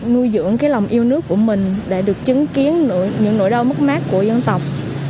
nuôi dưỡng cái lòng yêu nước của mình để được chứng kiến những nỗi đau mất mát của dân tộc